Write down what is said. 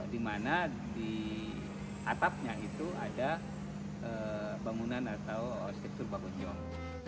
di mana di atapnya itu ada bangunan atau struktur bakunjung